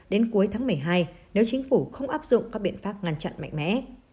đến cuối tháng một mươi hai nếu chính phủ không áp dụng các biện pháp ngăn chặn mạnh mẽ